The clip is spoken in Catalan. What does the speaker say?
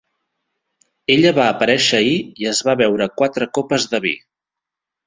Ella va aparèixer ahir i es va beure quatre copes de vi!